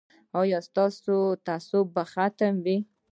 ایا ستاسو تعصب به ختم وي؟